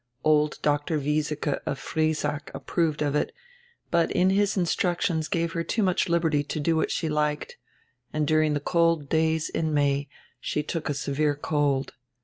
Old Dr. Wiesike of Friesack approved of it, but in his instructions gave her too much liberty to do what she liked, and during die cold days in May she took a severe cold.